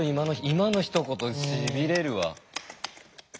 今のひと言しびれるわ。